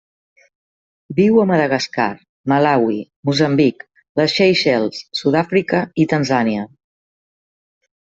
Viu a Madagascar, Malawi, Moçambic, les Seychelles, Sud-àfrica i Tanzània.